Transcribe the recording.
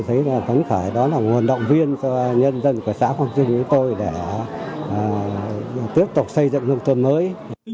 tôi thấy là tấn khởi đó là nguồn động viên cho nhân dân của xã quang trung như tôi để tiếp tục xây dựng nông thôn mới